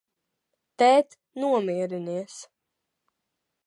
Tēt, nomierinies!